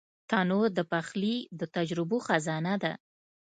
تنور د پخلي د تجربو خزانه ده